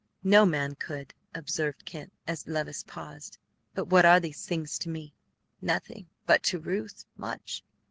"No man could," observed Kemp, as Levice paused. "But what are these things to me?" "Nothing; but to Ruth, much.